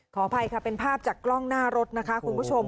ขออภัยค่ะเป็นภาพจากกล้องหน้ารถนะคะคุณผู้ชม